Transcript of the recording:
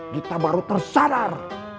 kita baru tersadar